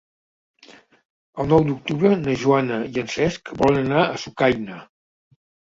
El nou d'octubre na Joana i en Cesc volen anar a Sucaina.